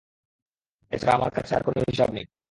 এ ছাড়া আমার কাছে আর কোন হিসাব নেই।